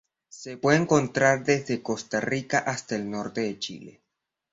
Se puede encontrar desde Costa Rica hasta el norte de Chile.